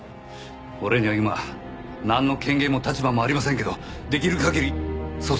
俺には今なんの権限も立場もありませんけどできる限り捜査に協力させてほしい。